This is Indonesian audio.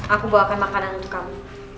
aku bawakan makanan untuk kamu